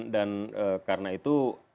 dan karena itu